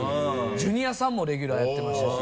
ジュニアさんもレギュラーやってましたし。